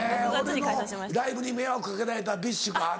俺のライブに迷惑かけられたＢｉＳＨか。